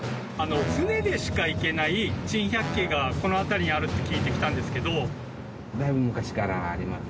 船でしか行けない珍百景がこの辺りにあるって聞いて来たんですけど。